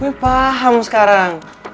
gue paham sekarang